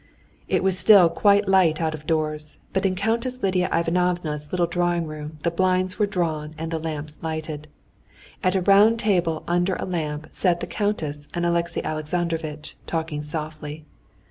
It was still quite light out of doors, but in Countess Lidia Ivanovna's little drawing room the blinds were drawn and the lamps lighted. At a round table under a lamp sat the countess and Alexey Alexandrovitch, talking softly.